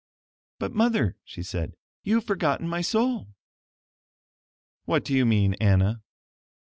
"But, Mother," she said, "you have forgotten my soul." "What do you mean, Anna?"